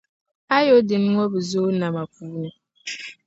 Ayodin ŋɔ dii bi zooi nama puuni.